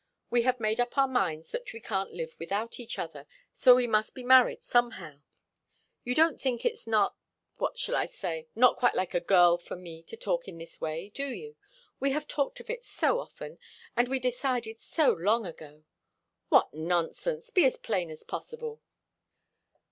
We have made up our minds that we can't live without each other, so we must be married somehow. You don't think it's not what shall I say? not quite like a girl for me to talk in this way, do you? We have talked of it so often, and we decided so long ago!" "What nonsense! Be as plain as possible."